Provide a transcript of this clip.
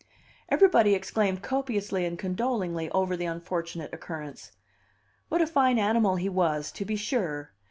Everybody exclaimed copiously and condolingly over the unfortunate occurrence. What a fine animal he was, to be sure!